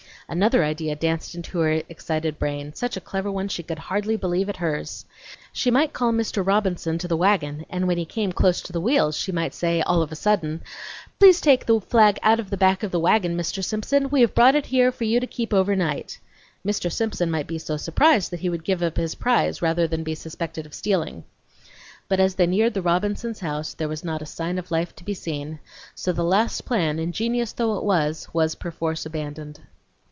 Another idea danced into her excited brain; such a clever one she could hardly believe it hers. She might call Mr. Robinson to the wagon, and when he came close to the wheels she might say, "all of a sudden": "Please take the flag out of the back of the wagon, Mr. Robinson. We have brought it here for you to keep overnight." Mr. Simpson might be so surprised that he would give up his prize rather than be suspected of stealing. But as they neared the Robinsons' house there was not a sign of life to be seen; so the last plan, ingenious though it was, was perforce abandoned.